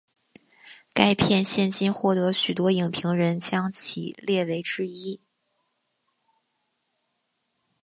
该片现今获得许多影评人将其列为之一。